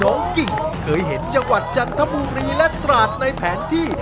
กิ้งเคยเห็นจังหวัดจันทบุรีและตราดในแผนที่